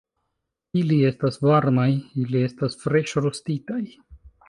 Ili estas varmaj... ili estas freŝrostitaj